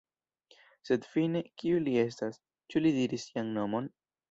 Sed fine, kiu li estas? Ĉu li diris sian nomon?